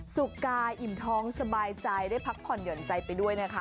สุขกายอิ่มท้องสบายใจได้พักผ่อนหย่อนใจไปด้วยนะคะ